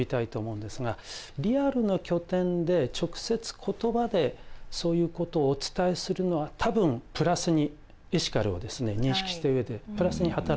リアルの拠点で直接言葉でそういうことをお伝えするのは多分プラスにエシカルをですね認識した上でプラスに働くであろうと。